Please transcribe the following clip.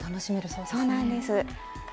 そうなんです。